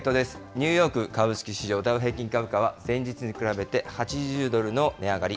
ニューヨーク株式市場ダウ平均株価は前日に比べて８０ドルの値上がり。